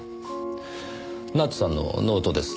奈津さんのノートです。